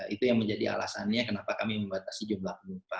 itu yang menjadi alasannya kenapa kami membatasi jumlah penumpang